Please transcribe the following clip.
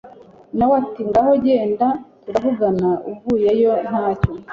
nawe ati ngaho genda turavugana uvuyeyo ntacyo